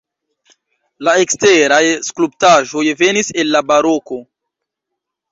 La eksteraj skulptaĵoj venis el la baroko.